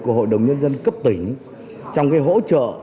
của hội đồng nhân dân cấp tỉnh trong hỗ trợ